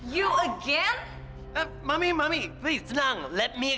sampai jumpa di video selanjutnya